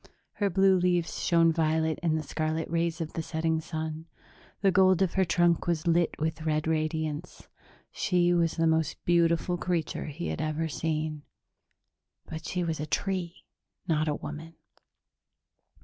'" Her blue leaves shone violet in the scarlet rays of the setting sun; the gold of her trunk was lit with red radiance. She was the most beautiful creature he had ever seen ... but she was a tree, not a woman.